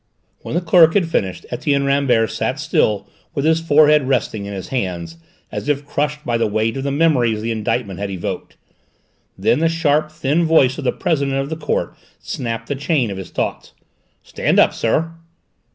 When the clerk had finished Etienne Rambert sat still, with his forehead resting in his hands, as if crushed by the weight of the memories the indictment had evoked. Then the sharp, thin voice of the President of the Court snapped the chain of his thoughts. "Stand up, sir!"